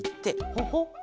ほほっ。